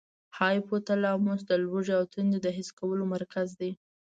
هایپو تلاموس د لوږې او تندې د حس کولو مرکز دی.